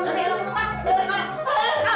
masih mampek kan